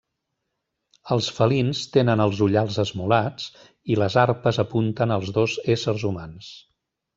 Els felins tenen els ullals esmolats i les arpes apunten als dos éssers humans.